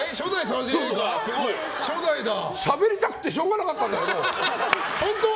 本当はしゃべりたくてしょうがなかったんだけど。